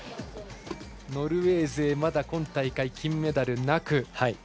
ノルウェー勢まだ今大会、金メダルなく。